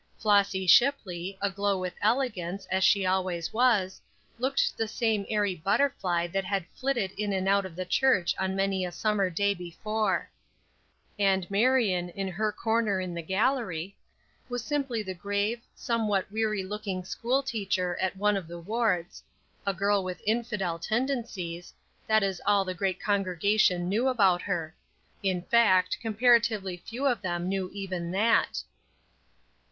Flossy Shipley, aglow with elegance, as she always was, looked the same airy butterfly that had flitted in and out of that church on many a summer day before; and Marion, in her corner in the gallery, was simply the grave, somewhat weary looking school teacher at one of the wards "a girl with infidel tendencies," that is all the great congregation knew about her; in fact, comparatively few of them knew even that.